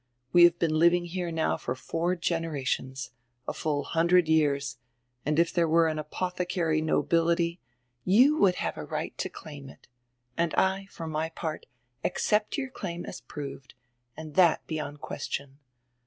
We have been living here now for four generations, a full hundred years, and if tiiere were an apothecary nobility —" "You would have a right to claim it. And I, for my part, accept your claim as proved, and diat beyond ques tion.